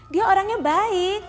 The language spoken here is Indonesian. dia orangnya baik